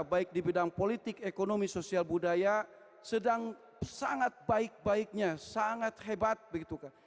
baik di bidang politik ekonomi sosial budaya sedang sangat baik baiknya sangat hebat begitu kan